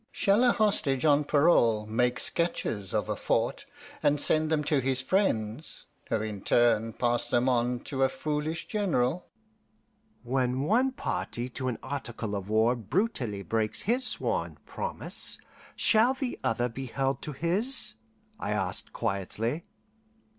"Shall a hostage on parole make sketches of a fort and send them to his friends, who in turn pass them on to a foolish general?" "When one party to an Article of War brutally breaks his sworn promise, shall the other be held to his?" I asked quietly.